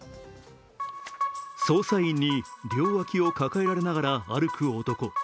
捜査員に両脇を抱えられながら歩く男。